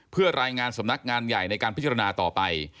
เพื่อรายงานสำนักงานใหญ่ในการพิจารณาต่อไป